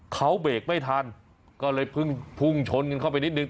เขาเบรกไม่ทันก็เลยเพิ่งพุ่งชนกันเข้าไปนิดนึง